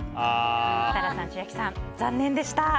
設楽さん、千秋さん残念でした。